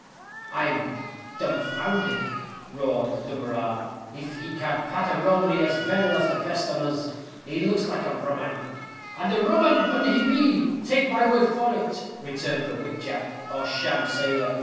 "I'm dumb founded," roared the dummerar, "if he can't patter romany as vel as the best on us! He looks like a rum 'un." "And a rum 'un he be, take my word for it," returned the whip jack, or sham sailor.